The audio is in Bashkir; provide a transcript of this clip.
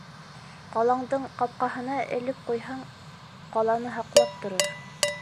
Ҡалаңдың ҡапҡаһына элеп ҡуйһаң, ҡаланы һаҡлап торор.